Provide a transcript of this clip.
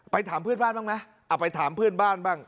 ถามเพื่อนบ้านบ้างไหมเอาไปถามเพื่อนบ้านบ้าง